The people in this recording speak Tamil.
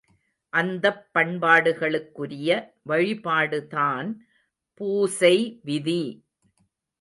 அந்தப் பண்பாடுகளுக்குரிய வழிபாடுதான் பூசை விதி!